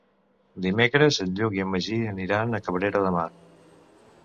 Dimecres en Lluc i en Magí aniran a Cabrera de Mar.